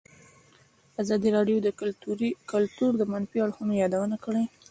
ازادي راډیو د کلتور د منفي اړخونو یادونه کړې.